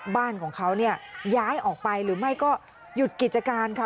บ้านของเขาเนี่ยย้ายออกไปหรือไม่ก็หยุดกิจการค่ะ